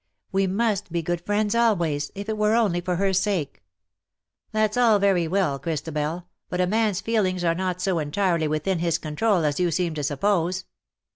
We must be good friends always — if it were only for her sake." " That's all very well, Christabel, but a man's feelings are not so entirely within his control as you seem to suppose.